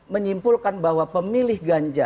menyimpulkan bahwa pemilih ganjar